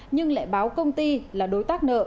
nhưng lại báo công ty là đối tác nợ